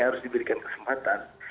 harus diberikan kesempatan